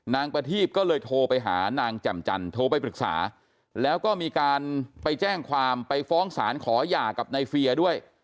ประทีบก็เลยโทรไปหานางแจ่มจันโทรไปปรึกษาแล้วก็มีการไปแจ้งความไปฟ้องศาลขอหย่ากับในเฟียด้วย